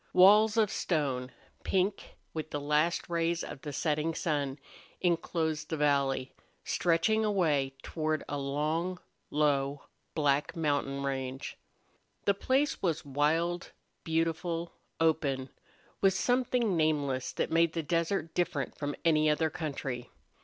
Walls of stone, pink with the last rays of the setting sun, inclosed the valley, stretching away toward a long, low, black mountain range. The place was wild, beautiful, open, with something nameless that made the desert different from any other country.